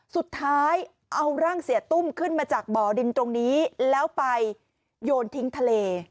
สุดท้ายเอาร่างเสียตุ้มขึ้นมาจากบ่อดินตรงนี้แล้วไปโยนทิ้งทะเล